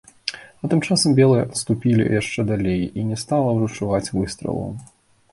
А тым часам белыя адступілі яшчэ далей, і не стала ўжо чуваць выстралаў.